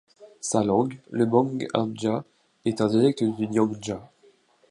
Sa langue, le mang'anja, est un dialecte du nyanja.